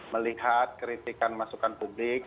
melihat kritikan masukan publik